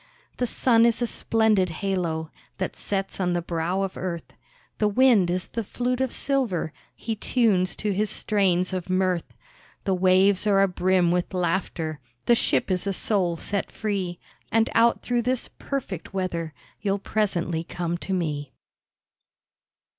The sun is a splendid halo, That sets on the brow of earth, The wind is the flute of silver He tunes to his strains of mirth. The waves are abrim with laughter, The ship is a soul set free; And out through this perfect weather You'll presently come to me.